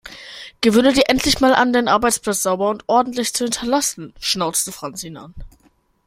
Gewöhne dir endlich mal an, deinen Arbeitsplatz sauber und ordentlich zu hinterlassen, schnauzte Franz ihn an.